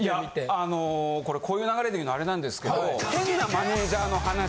あのこれこういう流れで言うのあれなんですけど。